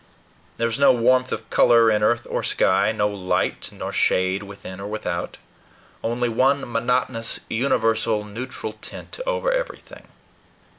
There was no warmth or color in earth or sky, no light nor shade within or without, only one monotonous, universal neutral tint over everything.